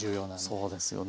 そうですよ。